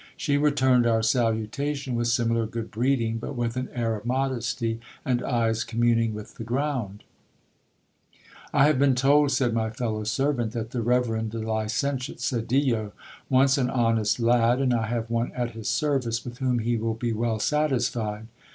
She returned our salutation with similar good breeding, but with an air of modesty, and eyes communing with the ground. INTRODUCED TO THE LICENTIATE SEDILLO. I have been told, said my fellow servant, that the reverend the Licentiate Se dillo wants an honest lad, and I have one at his service with whom he will be well satisfied.